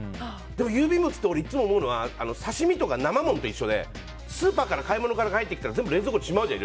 郵便物、いつも俺思うのは刺し身とか生ものと同じでスーパーから買い物から帰ってきたら全部しまうの。